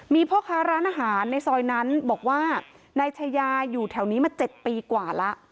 มีพ่อค้าร้านอาหารในซอยนั้นบอกว่านายชายาอยู่แถวนี้มา๗ปีกว่าแล้ว